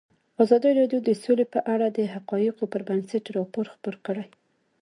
ازادي راډیو د سوله په اړه د حقایقو پر بنسټ راپور خپور کړی.